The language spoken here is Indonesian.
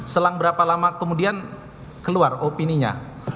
selang berapa lama kemudian keluar opininya